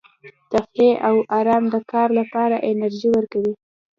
تفریح او ارام د کار لپاره انرژي ورکوي.